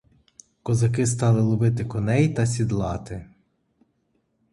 Козаки стали ловити коней та сідлати.